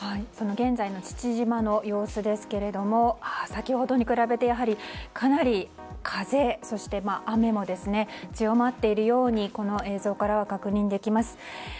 現在の父島の様子ですけども先ほどに比べてかなり風、雨も強まっているようにこの映像からは確認できます。